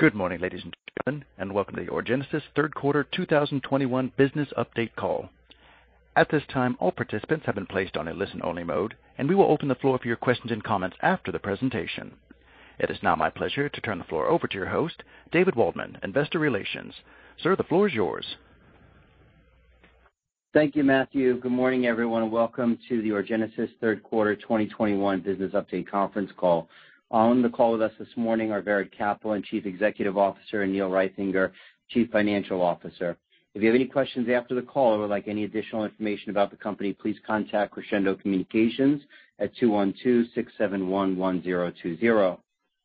Good morning, ladies and gentlemen, and welcome to the Orgenesis Third Quarter 2021 Business Update Call. At this time, all participants have been placed on a listen-only mode, and we will open the floor for your questions and comments after the presentation. It is now my pleasure to turn the floor over to your host, David Waldman, Investor Relations. Sir, the floor is yours. Thank you, Matthew. Good morning, everyone. Welcome to the Orgenesis Third Quarter 2021 Business Update Conference Call. On the call with us this morning are Vered Caplan, Chief Executive Officer, and Neil Reithinger, Chief Financial Officer. If you have any questions after the call or would like any additional information about the company, please contact Crescendo Communications at 212-671-1020.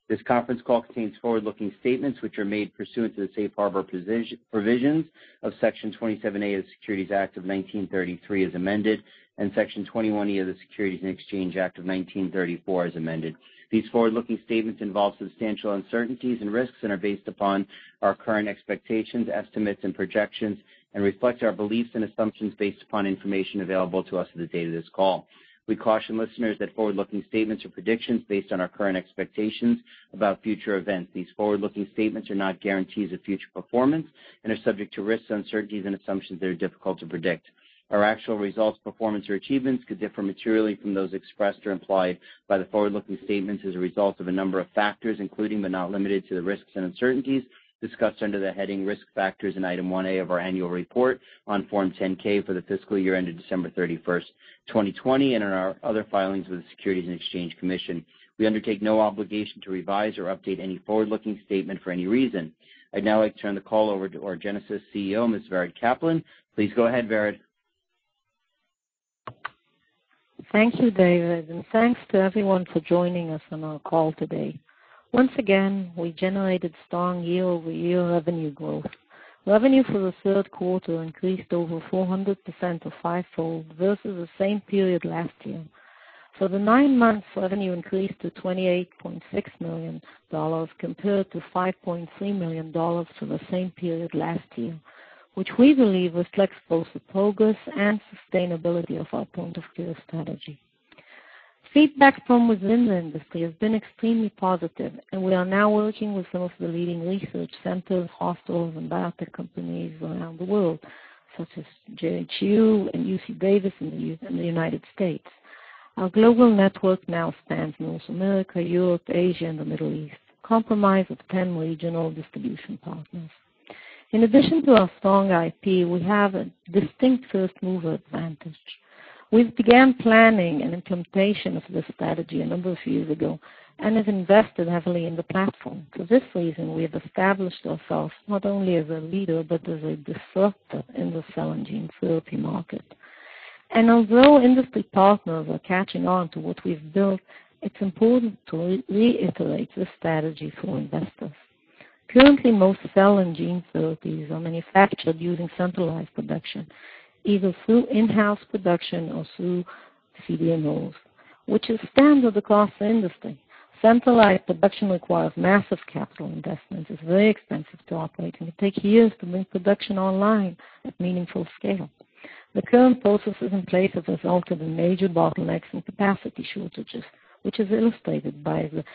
This conference call contains forward-looking statements, which are made pursuant to the safe harbor provisions of Section 27A of the Securities Act of 1933 as amended and Section 21E of the Securities Exchange Act of 1934 as amended. These forward-looking statements involve substantial uncertainties and risks and are based upon our current expectations, estimates, and projections and reflect our beliefs and assumptions based upon information available to us as of the date of this call. We caution listeners that forward-looking statements are predictions based on our current expectations about future events. These forward-looking statements are not guarantees of future performance and are subject to risks, uncertainties, and assumptions that are difficult to predict. Our actual results, performance, or achievements could differ materially from those expressed or implied by the forward-looking statements as a result of a number of factors, including but not limited to the risks and uncertainties discussed under the heading Risk Factors in Item 1A of our annual report on Form 10-K for the fiscal year ended December 31st, 2020, and in our other filings with the Securities and Exchange Commission. We undertake no obligation to revise or update any forward-looking statement for any reason. I'd now like to turn the call over to Orgenesis CEO, Ms. Vered Caplan. Please go ahead, Vered. Thank you, David, and thanks to everyone for joining us on our call today. Once again, we generated strong year-over-year revenue growth. Revenue for the third quarter increased over 400% to fivefold versus the same period last year. For the nine months, revenue increased to $28.6 million compared to $5.3 million for the same period last year, which we believe reflects both the progress and sustainability of our point-of-care strategy. Feedback from within the industry has been extremely positive, and we are now working with some of the leading research centers, hospitals, and biotech companies around the world, such as JHU and UC Davis in the United States. Our global network now spans North America, Europe, Asia, and the Middle East, comprised of 10 regional distribution partners. In addition to our strong IP, we have a distinct first-mover advantage. We've begun planning and implementation of this strategy a number of years ago and have invested heavily in the platform. For this reason, we have established ourselves not only as a leader but as a disruptor in the cell and gene therapy market. Although industry partners are catching on to what we've built, it's important to reiterate the strategy for investors. Currently, most cell and gene therapies are manufactured using centralized production, either through in-house production or through CDMOs, which is standard across the industry. Centralized production requires massive capital investment, is very expensive to operate, and it takes years to bring production online at meaningful scale. The current processes in place have resulted in major bottlenecks and capacity shortages, which is illustrated by the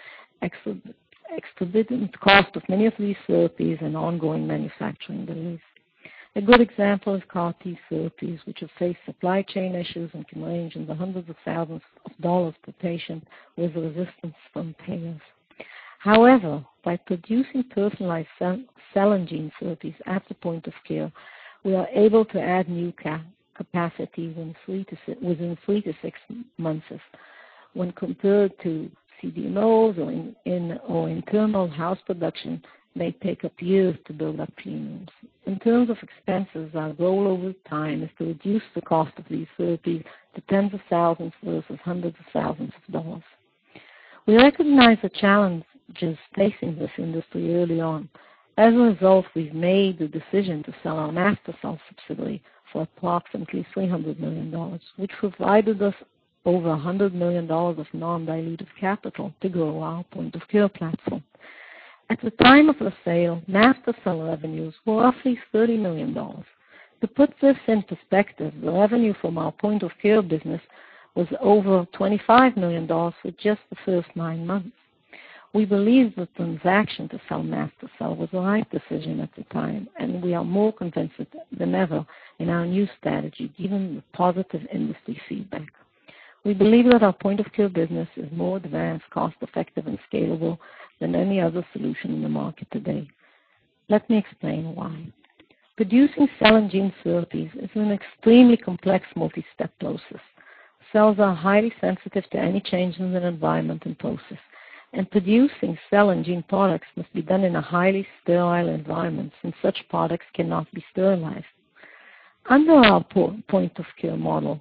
exorbitant cost of many of these therapies and ongoing manufacturing delays. A good example is CAR-T therapies, which have faced supply chain issues and can range in the hundreds of thousands of dollars per patient with resistance from payers. However, by producing personalized cell and gene therapies at the point-of-care, we are able to add new capacities within three to six months, when compared to CDMOs or in-house production may take years to build up teams. In terms of expenses, our goal over time is to reduce the cost of these therapies to tens of thousands versus hundreds of thousands of dollars. We recognize the challenges facing this industry early on. As a result, we've made the decision to sell our MaSTherCell subsidiary for approximately $300 million, which provided us over $100 million of non-dilutive capital to grow our point-of-care platform. At the time of the sale, MaSTherCell revenues were roughly $30 million. To put this in perspective, the revenue from our point-of-care business was over $25 million for just the first nine months. We believe the transaction to sell MaSTherCell was the right decision at the time, and we are more convinced than ever in our new strategy, given the positive industry feedback. We believe that our point-of-care business is more advanced, cost-effective, and scalable than any other solution in the market today. Let me explain why. Producing cell and gene therapies is an extremely complex multi-step process. Cells are highly sensitive to any change in their environment and process. Producing cell and gene products must be done in a highly sterile environment, since such products cannot be sterilized. Under our point-of-care model,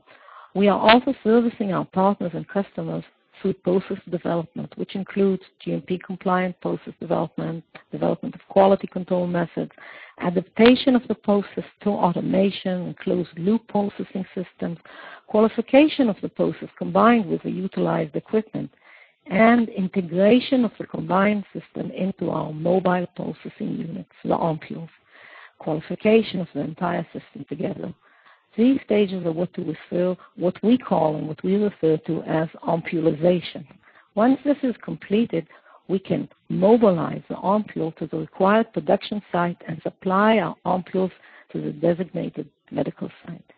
we are also servicing our partners and customers through process development, which includes GMP compliant process development of quality control methods, adaptation of the process to automation and closed loop processing systems, qualification of the process combined with the utilized equipment, and integration of the combined system into our mobile processing units, the OMPULs, qualification of the entire system together. These stages are what we call and what we refer to as OMPULization. Once this is completed, we can mobilize the OMPUL to the required production site and supply our OMPULs to the designated medical site.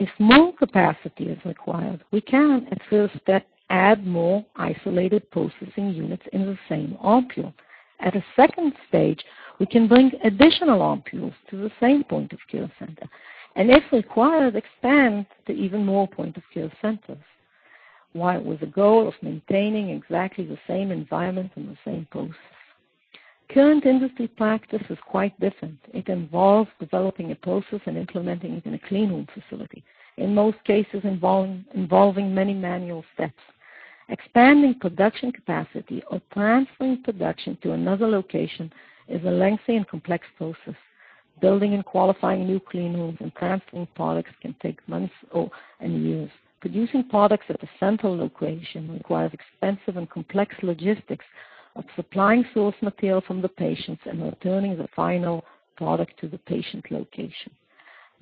If more capacity is required, we can, at first step, add more isolated processing units in the same OMPUL. At a second stage, we can bring additional OMPULs to the same point-of-care center, and if required, expand to even more point-of-care centers, while with the goal of maintaining exactly the same environment and the same process. Current industry practice is quite different. It involves developing a process and implementing it in a clean room facility, in most cases involving many manual steps. Expanding production capacity or transferring production to another location is a lengthy and complex process. Building and qualifying new clean rooms and transferring products can take months or years. Producing products at the central location requires expensive and complex logistics of supplying source material from the patients and returning the final product to the patient location.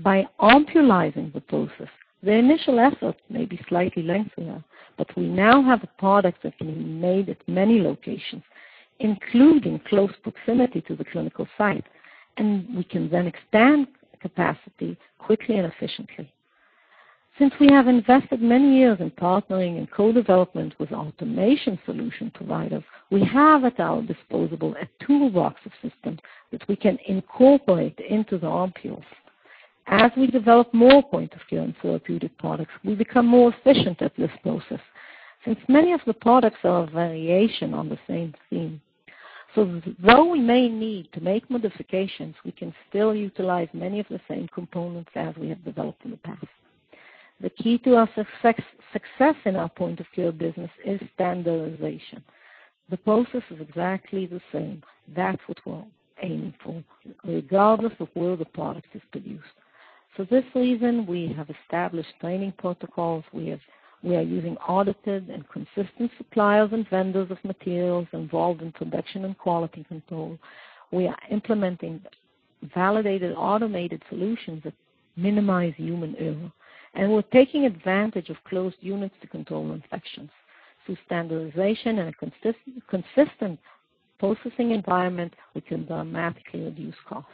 By OMPULizing the process, the initial effort may be slightly lengthier, but we now have a product that can be made at many locations, including close proximity to the clinical site, and we can then expand capacity quickly and efficiently. Since we have invested many years in partnering and co-development with automation solution providers, we have at our disposal a toolbox of systems that we can incorporate into the OMPULs. As we develop more point-of-care and therapeutic products, we become more efficient at this process since many of the products are a variation on the same theme. While we may need to make modifications, we can still utilize many of the same components as we have developed in the past. The key to our success in our point-of-care business is standardization. The process is exactly the same. That's what we're aiming for, regardless of where the product is produced. For this reason, we have established training protocols. We are using audited and consistent suppliers and vendors of materials involved in production and quality control. We are implementing validated automated solutions that minimize human error, and we're taking advantage of closed units to control infections. Through standardization and a consistent processing environment, we can dramatically reduce costs.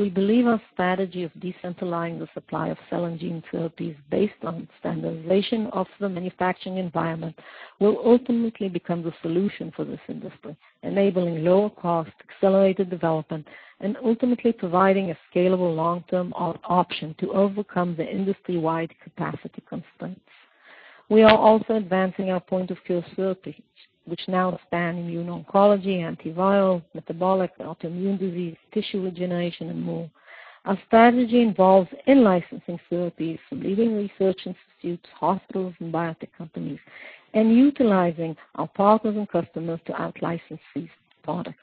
We believe our strategy of decentralizing the supply of cell and gene therapies based on standardization of the manufacturing environment will ultimately become the solution for this industry, enabling lower cost, accelerated development, and ultimately providing a scalable long-term option to overcome the industry-wide capacity constraints. We are also advancing our point-of-care therapies, which now span immuno-oncology, antiviral, metabolic, autoimmune disease, tissue regeneration, and more. Our strategy involves in-licensing therapies from leading research institutes, hospitals and biotech companies, and utilizing our partners and customers to out-license these products.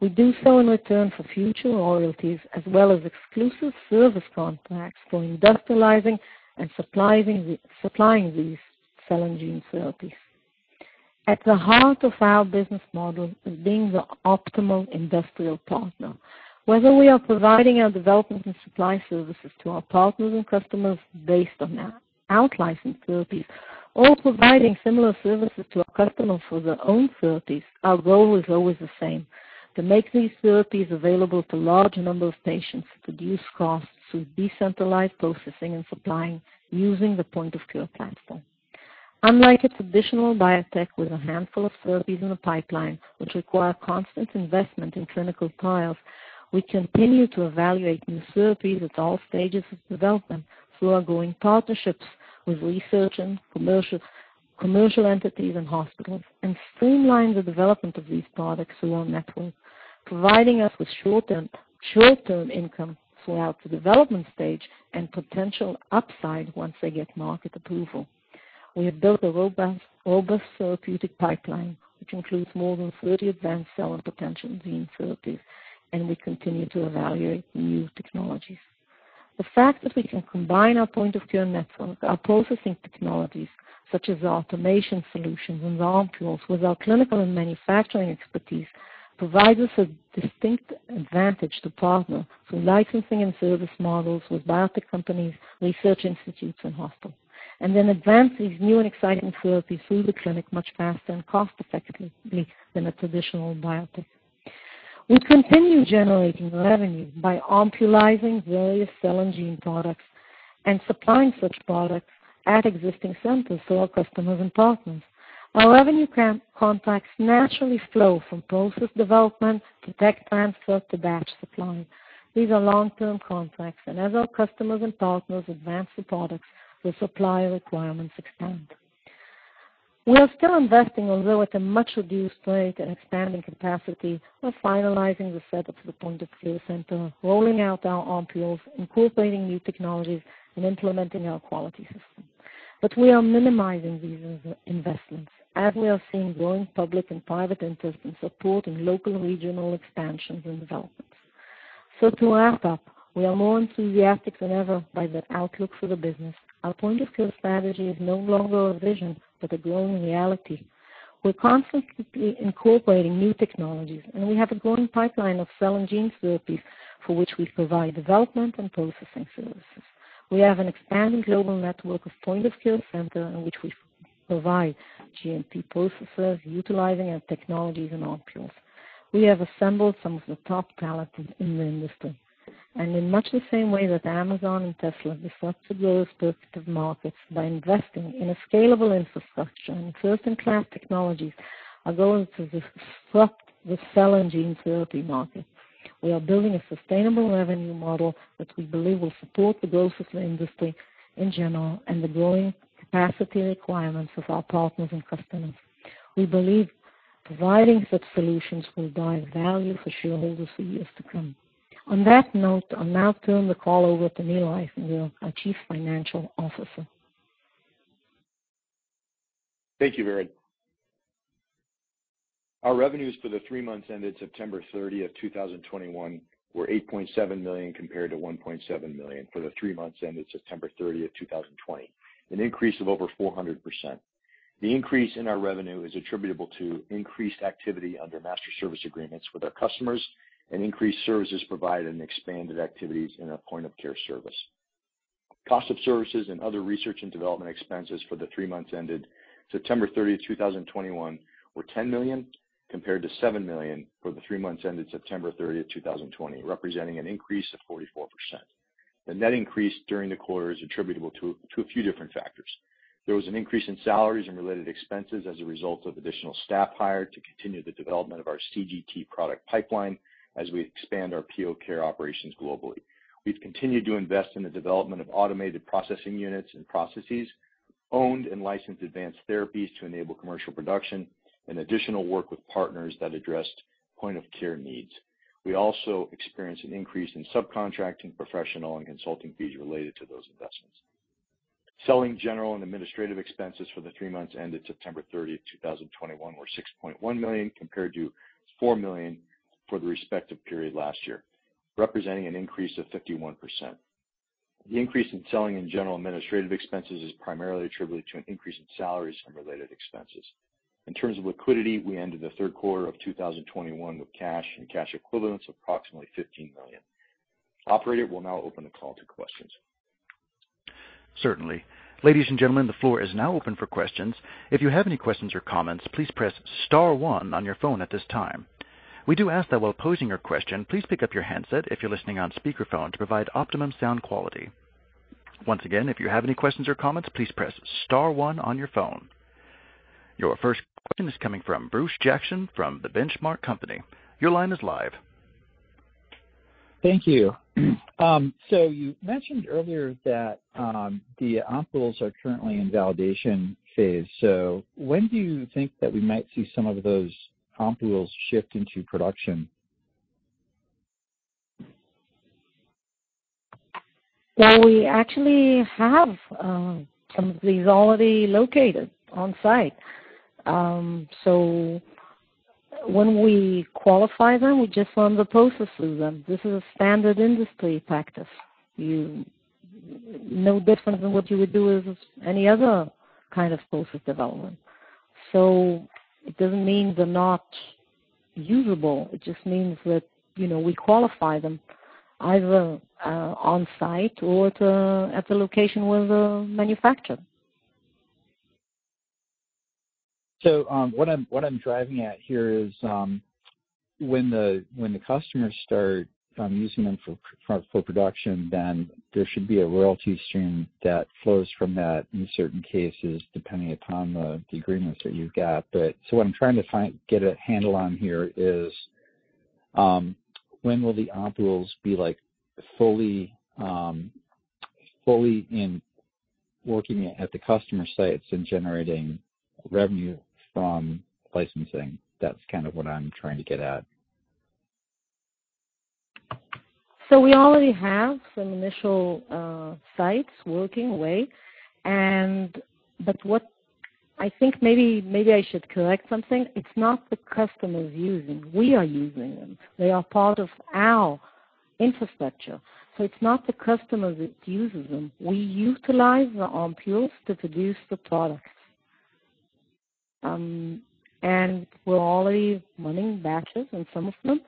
We do so in return for future royalties as well as exclusive service contracts for industrializing and supplying these cell and gene therapies. At the heart of our business model is being the optimal industrial partner. Whether we are providing our development and supply services to our partners and customers based on our out-licensed therapies or providing similar services to our customers for their own therapies, our goal is always the same. To make these therapies available to large number of patients, reduce costs through decentralized processing and supplying using the point-of-care platform. Unlike a traditional biotech with a handful of therapies in the pipeline which require constant investment in clinical trials, we continue to evaluate new therapies at all stages of development through our growing partnerships with research and commercial entities and hospitals, and streamline the development of these products through our network, providing us with short-term income throughout the development stage and potential upside once they get market approval. We have built a robust therapeutic pipeline, which includes more than 30 advanced cell and potential gene therapies, and we continue to evaluate new technologies. The fact that we can combine our point-of-care network, our processing technologies, such as our automation solutions and our OMPULs, with our clinical and manufacturing expertise, provides us a distinct advantage to partner through licensing and service models with biotech companies, research institutes and hospitals, and then advance these new and exciting therapies through the clinic much faster and cost-effectively than a traditional biotech. We continue generating revenue by OMPULizing various cell and gene products and supplying such products at existing centers to our customers and partners. Our revenue contracts naturally flow from process development to tech transfer to batch supply. These are long-term contracts, and as our customers and partners advance the products, the supply requirements expand. We are still investing, although at a much-reduced rate, in expanding capacity or finalizing the setup for the point-of-care centers, rolling out our OMPULs, incorporating new technologies and implementing our quality system. We are minimizing these investments as we are seeing growing public and private interest in supporting local regional expansions and developments. To wrap up, we are more enthusiastic than ever by the outlook for the business. Our point-of-care strategy is no longer a vision, but a growing reality. We're constantly incorporating new technologies, and we have a growing pipeline of cell and gene therapies for which we provide development and processing services. We have an expanding global network of point-of-care centers in which we provide GMP processes utilizing our technologies and OMPULs. We have assembled some of the top talent in the industry. In much the same way that Amazon and Tesla disrupt the growth prospective markets by investing in a scalable infrastructure, cutting-edge technologies are going to disrupt the cell and gene therapy market. We are building a sustainable revenue model that we believe will support the growth of the industry in general and the growing capacity requirements of our partners and customers. We believe providing such solutions will drive value for shareholders for years to come. On that note, I'll now turn the call over to Neil Reithinger, our Chief Financial Officer. Thank you, Vered. Our revenues for the three months ended September 30th, 2021, were $8.7 million compared to $1.7 million for the three months ended September 30th, 2020, an increase of over 400%. The increase in our revenue is attributable to increased activity under master service agreements with our customers and increased services provided and expanded activities in our point-of-care service. Cost of services and other research and development expenses for the three months ended September 30th, 2021, were $10 million compared to $7 million for the three months ended September 30th, 2020, representing an increase of 44%. The net increase during the quarter is attributable to a few different factors. There was an increase in salaries and related expenses as a result of additional staff hired to continue the development of our CGT product pipeline as we expand our POCare operations globally. We've continued to invest in the development of automated processing units and processes, own and license advanced therapies to enable commercial production and additional work with partners that addressed point-of-care needs. We also experienced an increase in subcontracting professional and consulting fees related to those investments. Selling, general and administrative expenses for the three months ended September 30th, 2021, were $6.1 million compared to $4 million for the respective period last year, representing an increase of 51%. The increase in selling and general administrative expenses is primarily attributed to an increase in salaries and related expenses. In terms of liquidity, we ended the third quarter of 2021 with cash and cash equivalents approximately $15 million. Operator, we'll now open the call to questions. Certainly. Ladies and gentlemen, the floor is now open for questions. If you have any questions or comments, please press star one on your phone at this time. We do ask that while posing your question, please pick up your handset if you're listening on speakerphone to provide optimum sound quality. Once again, if you have any questions or comments, please press star one on your phone. Your first question is coming from Bruce Jackson from The Benchmark Company. Your line is live. Thank you. You mentioned earlier that the OMPULs are currently in validation phase. When do you think that we might see some of those OMPUL shift into production? Well, we actually have some of these already located on-site. When we qualify them, we just run the processes. This is a standard industry practice. No different than what you would do with any other kind of process development. It doesn't mean they're not usable. It just means that, you know, we qualify them either on-site or at a location where they're manufactured. What I'm driving at here is, when the customers start using them for production, then there should be a royalty stream that flows from that in certain cases, depending upon the agreements that you've got. What I'm trying to get a handle on here is, when will the OMPULs be, like, fully in working at the customer sites and generating revenue from licensing? That's kind of what I'm trying to get at. We already have some initial sites working away. What I think maybe I should correct something. It's not the customers using them. We are using them. They are part of our infrastructure. It's not the customers that uses them. We utilize the OMPULs to produce the products. We're already running batches on some of them.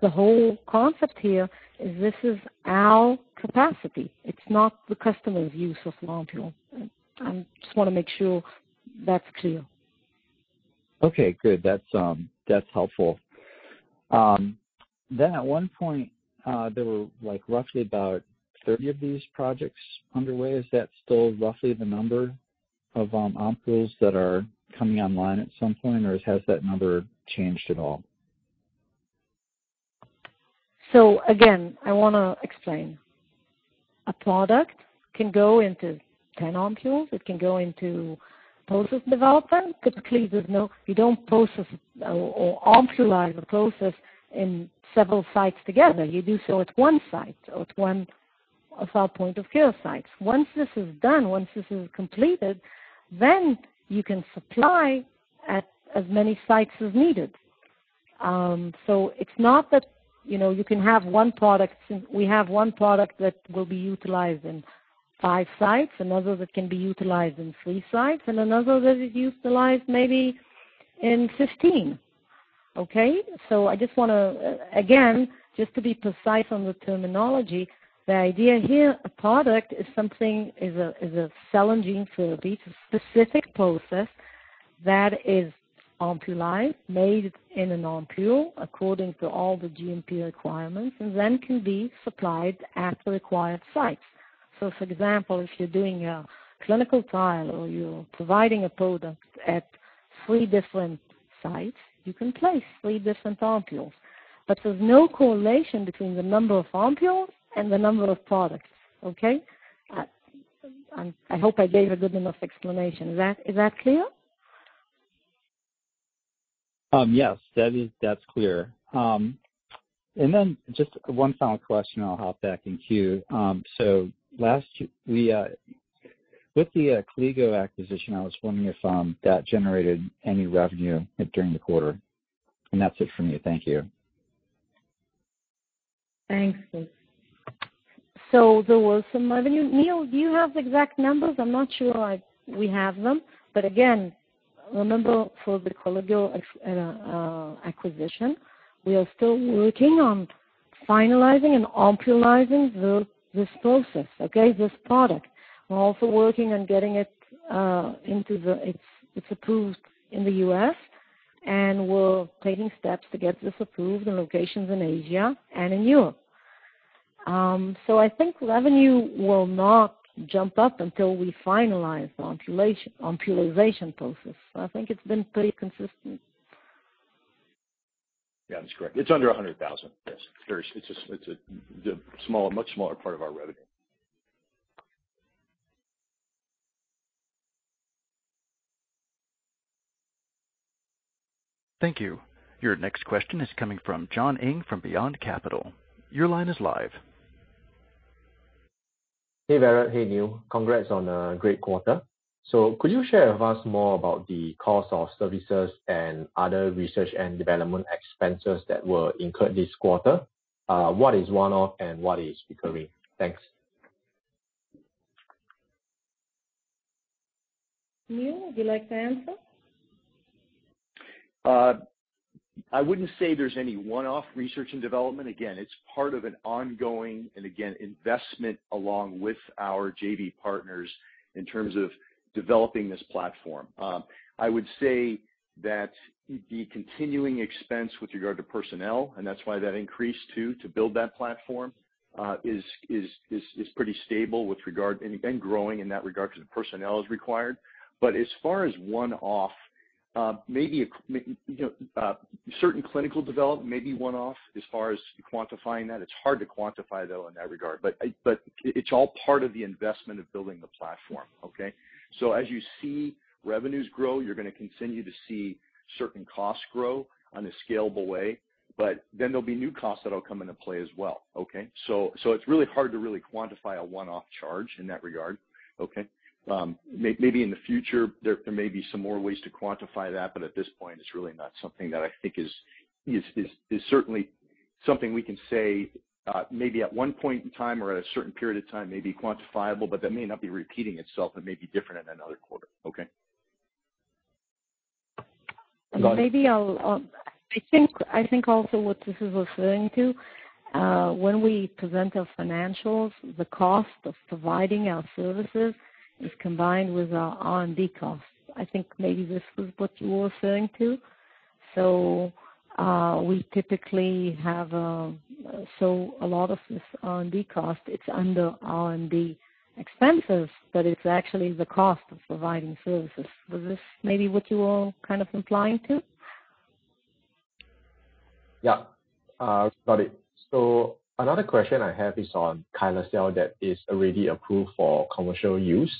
The whole concept here is this is our capacity. It's not the customer's use of OMPUL. I just wanna make sure that's clear. Okay, good. That's helpful. At one point, there were, like, roughly about 30 of these projects underway. Is that still roughly the number of OMPULs that are coming online at some point, or has that number changed at all? Again, I wanna explain. A product can go into 10 OMPULs. It can go into process development. Typically, you don't process or OMPULize a process in several sites together. You do so at one site or at one of our point-of-care sites. Once this is done, then you can supply at as many sites as needed. It's not that, you know, you can have one product. We have one product that will be utilized in five sites, another that can be utilized in three sites, and another that is utilized maybe in 15. Okay. I just want to, again, just to be precise on the terminology. The idea here, a product is a cell and gene therapy, specific process that is OMPULized, made in an OMPUL according to all the GMP requirements, and then can be supplied at the required sites. For example, if you're doing a clinical trial or you're providing a product at three different sites, you can place three different OMPULs. There's no correlation between the number of OMPULs and the number of products. Okay? I hope I gave a good enough explanation. Is that clear? Yes, that's clear. Just one final question, I'll hop back in queue. Last year, with the Koligo acquisition, I was wondering if that generated any revenue during the quarter. That's it for me. Thank you. Thanks, Bruce. There was some revenue. Neil, do you have the exact numbers? I'm not sure we have them. Again, remember for the Koligo acquisition, we are still working on finalizing and OMPULizing this process, okay, this product. We're also working on getting it. It's approved in the U.S., and we're taking steps to get this approved in locations in Asia and in Europe. I think revenue will not jump up until we finalize the OMPULization process. I think it's been pretty consistent. Yeah, that's correct. It's under $100,000. Yes. It's a much smaller part of our revenue. Thank you. Your next question is coming from John Ng from Beyond Capital. Your line is live. Hey, Vered. Hey, Neil. Congrats on a great quarter. Could you share with us more about the cost of services and other research and development expenses that were incurred this quarter? What is one-off and what is recurring? Thanks. Neil, would you like to answer? I wouldn't say there's any one-off research and development. Again, it's part of an ongoing, and again, investment along with our JV partners in terms of developing this platform. I would say that the continuing expense with regard to personnel, and that's why that increased too, to build that platform, is pretty stable with regard and growing in that regard because the personnel is required. As far as one-off, maybe, you know, certain clinical development may be one-off as far as quantifying that. It's hard to quantify though in that regard. It's all part of the investment of building the platform, okay? As you see revenues grow, you're gonna continue to see certain costs grow on a scalable way, but then there'll be new costs that'll come into play as well, okay? It's really hard to really quantify a one-off charge in that regard, okay? Maybe in the future, there may be some more ways to quantify that, but at this point, it's really not something that I think is certainly something we can say, maybe at one point in time or at a certain period of time may be quantifiable, but that may not be repeating itself. It may be different in another quarter. Okay? I think also what this is referring to when we present our financials, the cost of providing our services is combined with our R&D costs. I think maybe this is what you're referring to. We typically have so a lot of this R&D cost, it's under R&D expenses, but it's actually the cost of providing services. Was this maybe what you were kind of implying to? Yeah. Got it. Another question I have is on MaSTherCell that is already approved for commercial use.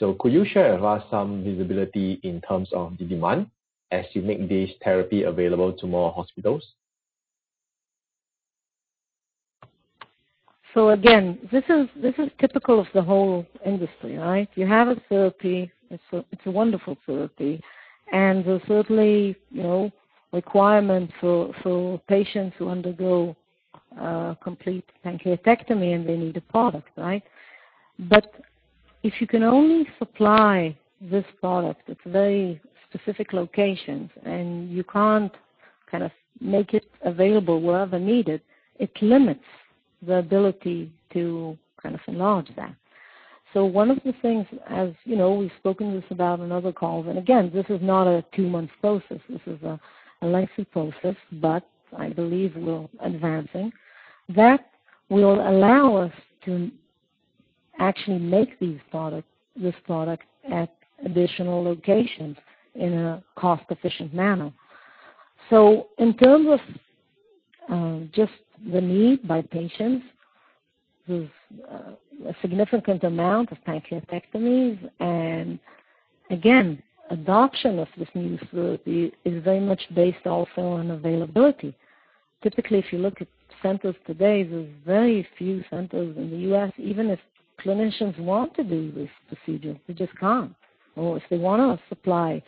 Could you share with us some visibility in terms of the demand as you make this therapy available to more hospitals? Again, this is typical of the whole industry, right? You have a therapy, it's a wonderful therapy, and there's certainly requirement for patients who undergo complete pancreatectomy, and they need a product, right? But if you can only supply this product at very specific locations, and you can't kind of make it available wherever needed, it limits the ability to kind of enlarge that. One of the things, as you know, we've spoken about this on other calls, and again, this is not a two-month process. This is a lengthy process, but I believe we're advancing. That will allow us to actually make these products, this product at additional locations in a cost-efficient manner. In terms of just the need by patients with a significant amount of pancreatectomies, and again, adoption of this new therapy is very much based also on availability. Typically, if you look at centers today, there's very few centers in the U.S., even if clinicians want to do this procedure, they just can't. If they wanna supply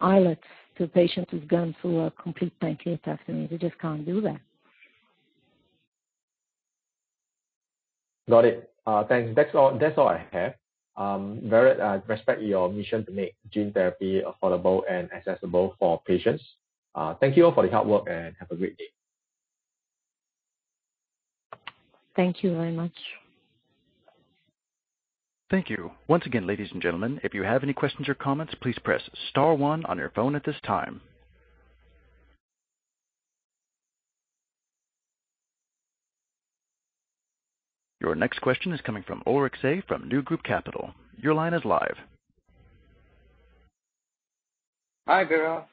islets to patients who've gone through a complete pancreatectomy, they just can't do that. Got it. Thanks. That's all I have. I very much respect your mission to make gene therapy affordable and accessible for patients. Thank you all for the hard work, and have a great day. Thank you very much. Thank you. Once again, ladies and gentlemen, if you have any questions or comments, please press star one on your phone at this time. Your next question is coming from Orix Say from New Group Capital. Your line is live. Hi, Vered.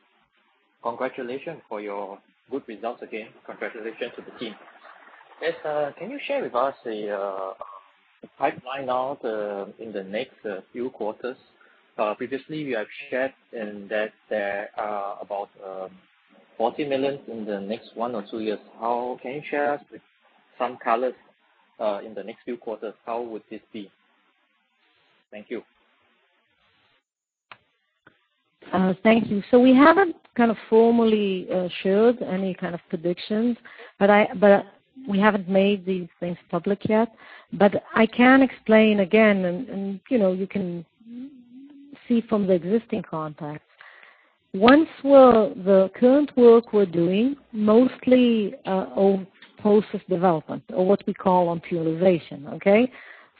Congratulations for your good results again. Congratulations to the team. Can you share with us the pipeline now in the next few quarters? Previously you have shared that there are about $40 million in the next one or two years. Can you share with us some colors in the next few quarters, how would this be? Thank you. Thank you. We haven't kind of formally shared any kind of predictions, but we haven't made these things public yet. I can explain again and, you know, you can see from the existing contracts. Once we're, the current work we're doing, mostly, on process development or what we call on purification. Okay.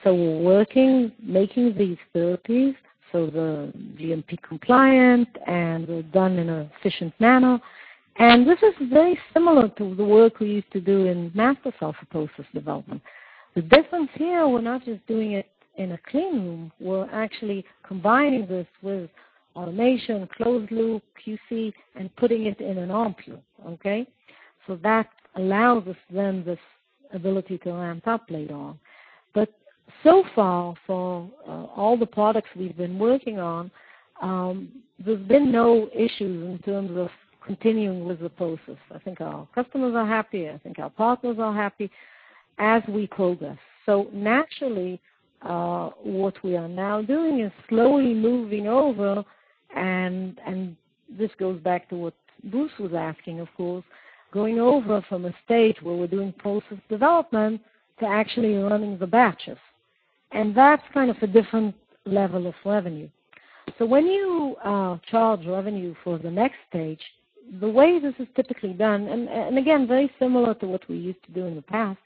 We're working, making these therapies, so they're GMP compliant, and they're done in an efficient manner. This is very similar to the work we used to do in MaSTherCell for process development. The difference here, we're not just doing it in a clean room. We're actually combining this with automation, closed-loop, QC, and putting it in an OMPUL. Okay. That allows us then this ability to ramp up later on. So far, for all the products we've been working on, there's been no issues in terms of continuing with the process. I think our customers are happy, I think our partners are happy as we progress. Naturally, what we are now doing is slowly moving over and this goes back to what Bruce was asking, of course, going over from a stage where we're doing process development to actually running the batches. That's kind of a different level of revenue. When you charge revenue for the next stage, the way this is typically done and again, very similar to what we used to do in the past,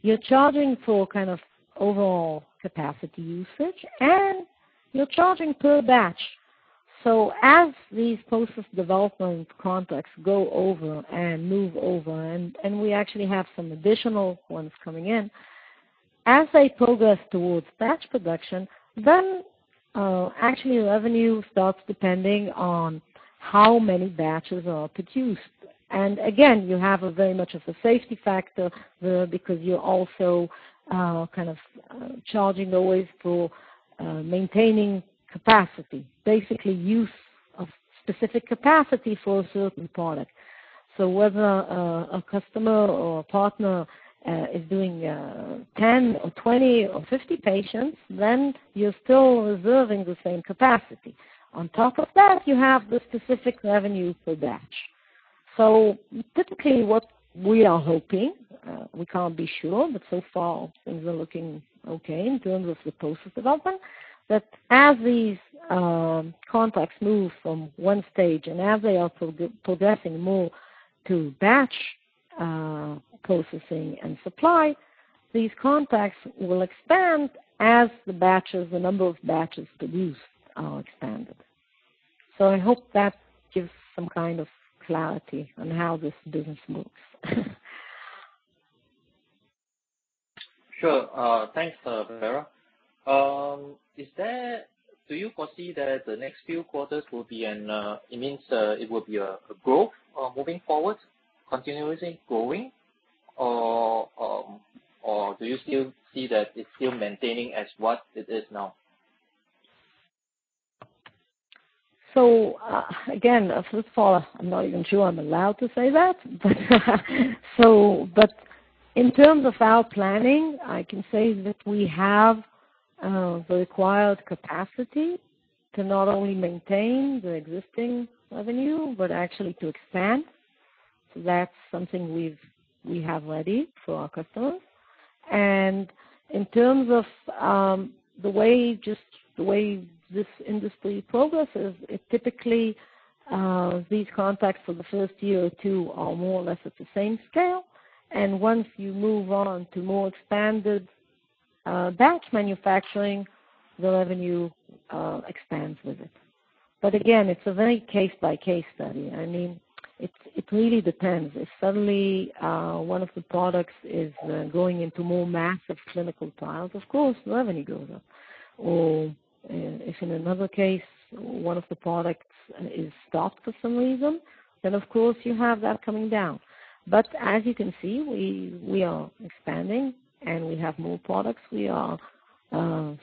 you're charging for kind of overall capacity usage, and you're charging per batch. As these process development contracts go over and move over, and we actually have some additional ones coming in. As they progress towards batch production, actually revenue starts depending on how many batches are produced. Again, you have a very much of a safety factor there because you're also kind of charging always for maintaining capacity, basically use of specific capacity for a certain product. Whether a customer or a partner is doing 10 or 20 or 50 patients, you're still reserving the same capacity. On top of that, you have the specific revenue per batch. Typically, what we are hoping, we can't be sure, but so far things are looking okay in terms of the process development, that as these contracts move from one stage and as they are progressing more to batch processing and supply, these contracts will expand as the batches, the number of batches produced are expanded. I hope that gives some kind of clarity on how this business moves. Sure. Thanks, Vered. Do you foresee that the next few quarters will be a growth moving forward, continuously growing, or do you still see that it's still maintaining as what it is now? Again, first of all, I'm not even sure I'm allowed to say that. In terms of our planning, I can say that we have the required capacity to not only maintain the existing revenue but actually to expand. That's something we have ready for our customers. In terms of just the way this industry progresses, it typically these contracts for the first year or two are more or less at the same scale. Once you move on to more expanded batch manufacturing, the revenue expands with it. Again, it's a very case-by-case study. I mean, it really depends. If suddenly one of the products is going into more massive clinical trials, of course, the revenue goes up. If in another case, one of the products is stopped for some reason, then of course you have that coming down. As you can see, we are expanding, and we have more products we are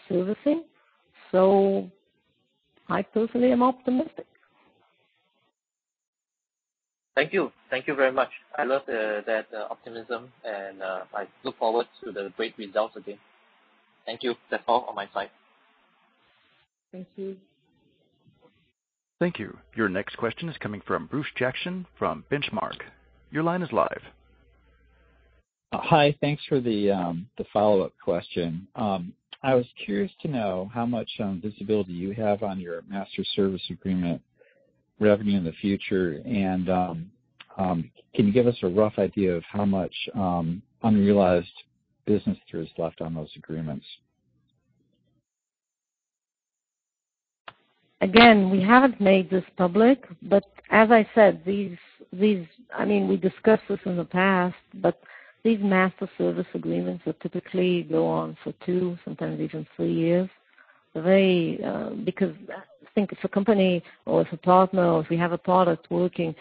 servicing, so I personally am optimistic. Thank you. Thank you very much. I love that optimism and I look forward to the great results again. Thank you. That's all on my side. Thank you. Thank you. Your next question is coming from Bruce Jackson from Benchmark. Your line is live. Hi. Thanks for the follow-up question. I was curious to know how much visibility you have on your master service agreement revenue in the future, and can you give us a rough idea of how much unrealized business there is left on those agreements? Again, we haven't made this public, but as I said, these, I mean, we discussed this in the past, but these master service agreements will typically go on for two, sometimes even three years. They, because I think if a company or if a partner or if we have a product working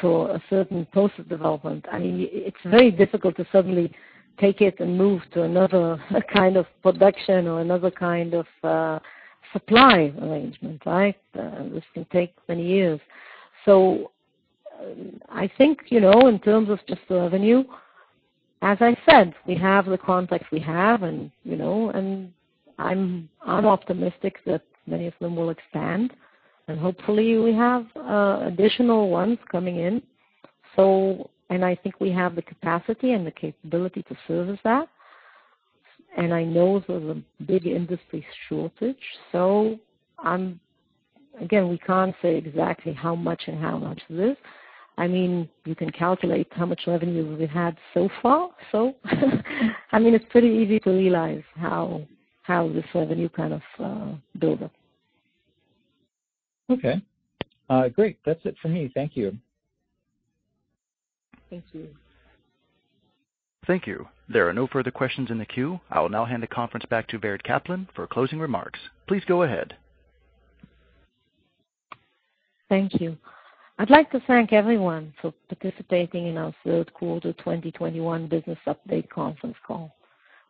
for a certain process development, I mean, it's very difficult to suddenly take it and move to another kind of production or another kind of supply arrangement, right? This can take many years. I think, you know, in terms of just the revenue, as I said, we have the contracts we have, and, you know, and I'm optimistic that many of them will expand, and hopefully we have additional ones coming in. I think we have the capacity and the capability to service that. I know there's a big industry shortage. Again, we can't say exactly how much it is. I mean, you can calculate how much revenue we've had so far. I mean, it's pretty easy to realize how this revenue kind of build up. Okay. Great. That's it for me. Thank you. Thank you. Thank you. There are no further questions in the queue. I will now hand the conference back to Vered Caplan for closing remarks. Please go ahead. Thank you. I'd like to thank everyone for participating in our third quarter 2021 business update conference call.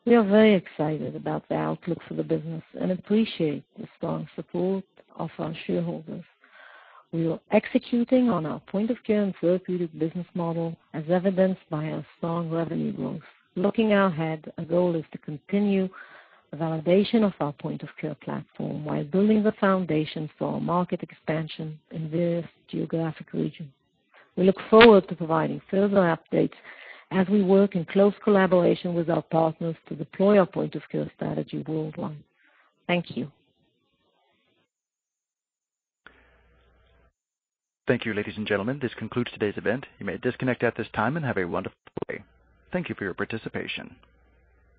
We are very excited about the outlook for the business and appreciate the strong support of our shareholders. We are executing on our point of care and therapeutic business model as evidenced by our strong revenue growth. Looking ahead, our goal is to continue validation of our point of care platform while building the foundation for our market expansion in various geographic regions. We look forward to providing further updates as we work in close collaboration with our partners to deploy our point of care strategy worldwide. Thank you. Thank you, ladies and gentlemen. This concludes today's event. You may disconnect at this time and have a wonderful day. Thank you for your participation.